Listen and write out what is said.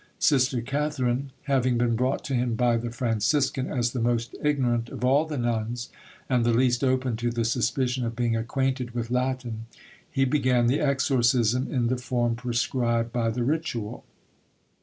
Sister Catherine having been brought to him by the Franciscan as the most ignorant of all the nuns, and the least open to the suspicion of being acquainted with Latin, he began the exorcism in the form prescribed by the ritual.